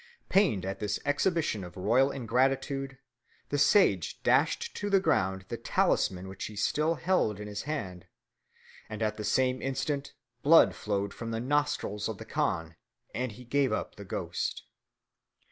Pained at this exhibition of royal ingratitude, the sage dashed to the ground the talisman which he still held in his hand; and at the same instant blood flowed from the nostrils of the khan, and he gave up the ghost.